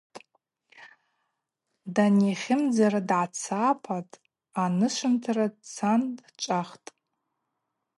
Данихьымдза дгӏацапатӏ, анышвынтара дцан дчӏвахтӏ.